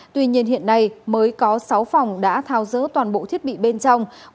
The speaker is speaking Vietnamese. tuy nhiên hiện nay mới có sáu phòng đã thao dỡ toàn bộ thiết bị bên trong